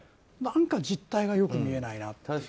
何か実態がよく見えないなと。